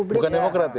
bukan demokrat ya